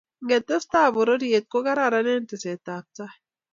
ngetesta pororiet ko kararan eng teset ab tai